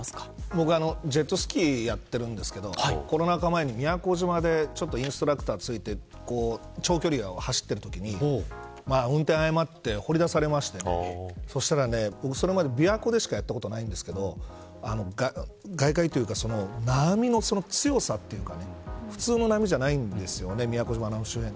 僕、ジェットスキーをやってるんですけどコロナ禍前に宮古島でインストラクターについて長距離を走っているときに運転を誤って放り出されましてそしたら、その前それまで琵琶湖でしかやったことないんですけど外海というか波の強さというか普通の波じゃないんですよね宮古島の周辺は。